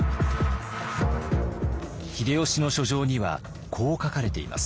秀吉の書状にはこう書かれています。